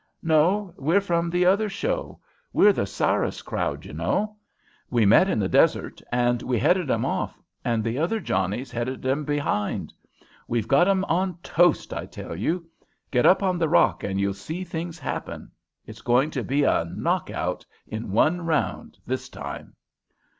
"No, we're from the other show. We're the Sarras crowd, you know. We met in the desert, and we headed 'em off, and the other Johnnies headed them behind. We've got 'em on toast, I tell you. Get up on that rock and you'll see things happen. It's going to be a knockout in one round this time."